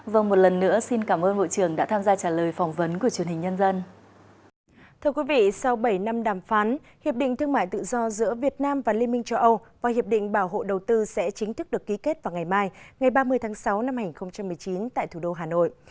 thưa quý vị sau bảy năm đàm phán hiệp định thương mại tự do giữa việt nam và liên minh châu âu và hiệp định bảo hộ đầu tư sẽ chính thức được ký kết vào ngày mai ngày ba mươi tháng sáu năm hai nghìn một mươi chín tại thủ đô hà nội